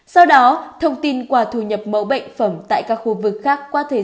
sau đó thông tin qua thu nhập mẫu bệnh phẩm tại các khu vực khác qua thời gian